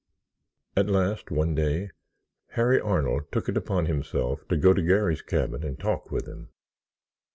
At last, one day, Harry Arnold took it upon himself to go to Garry's cabin and talk with him.